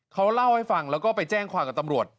เขาเล่าให้ฟังแล้วก็ไปแจ้งความกับตำรวจ